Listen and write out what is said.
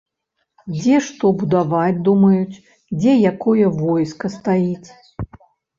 Дзе што будаваць думаюць, дзе якое войска стаіць.